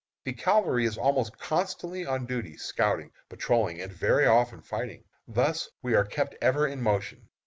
The cavalry is almost constantly on duty, scouting, patrolling, and very often fighting. Thus we are kept ever in motion.